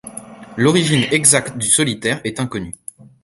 L'origine exacte du solitaire est inconnue.